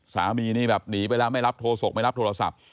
สามีนี่แบบหนีไปแล้วไม่รับโทรศกไม่รับโทรศัพท์